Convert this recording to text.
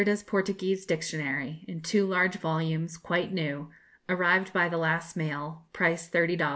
Lacerda's Portuguese Dictionary, in two large volumes, quite new, arrived by the last mail, price $30, costs here $40; No.